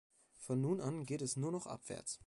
Von nun an geht es nur noch abwärts.